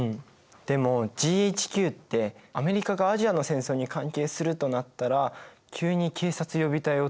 でもＧＨＱってアメリカがアジアの戦争に関係するとなったら急に警察予備隊を作らせたんだね。